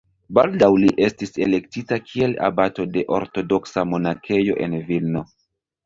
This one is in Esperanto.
Baldaŭ li estis elektita kiel abato de ortodoksa monakejo en Vilno.